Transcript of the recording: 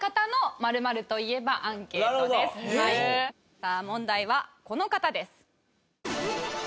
さあ問題はこの方です。